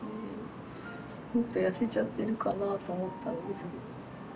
もっと痩せちゃってるかなと思ったんですけど。